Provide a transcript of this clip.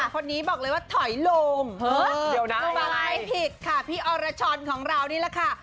คนนี้บอกเลยว่าถอยโลงมาร์ไลพิดค่ะอัลระชอนของเรานี่แหละค่ะ